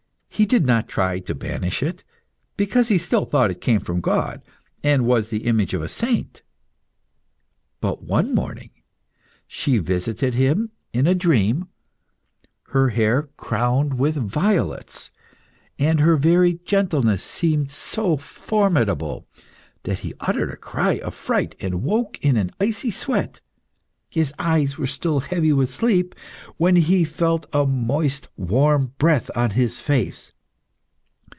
He did not try to banish it, because he still thought it came from God, and was the image of a saint. But one morning she visited him in a dream, her hair crowned with violets, and her very gentleness seemed so formidable, that he uttered a cry of fright, and woke in an icy sweat. His eyes were still heavy with sleep, when he felt a moist warm breath on his face.